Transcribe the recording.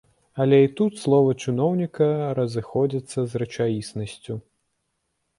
Але і тут словы чыноўніка разыходзяцца з рэчаіснасцю.